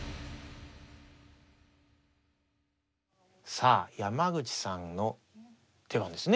さあ山口さんの手番ですね。